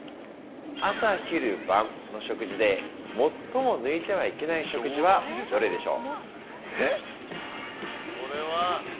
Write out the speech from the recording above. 朝、昼、晩の食事でもっとも抜いてはいけない食事はどれでしょう。